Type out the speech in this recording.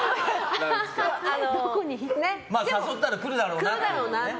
誘ったら来るだろうなって。